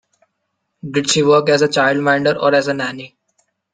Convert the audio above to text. Does she work as a childminder or as a nanny?